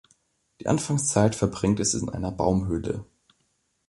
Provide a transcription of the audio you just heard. Die Anfangszeit verbringt es in einer Baumhöhle.